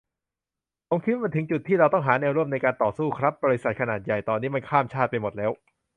ผมคิดว่ามันถึงจุดที่ เราต้องหาแนวร่วมในการต่อสู้ครับ บริษัทขนาดใหญ่ตอนนี้มันข้ามชาติไปหมดแล้ว